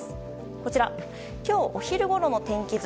こちら、今日お昼ごろの天気図。